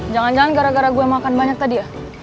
jangan jangan gara gara gue makan banyak tadi ya